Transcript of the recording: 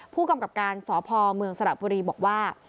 ผู้กำกับการสพเมืองสระบุรีบอกว่า